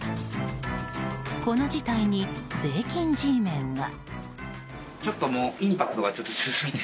この事態に税金Ｇメンは。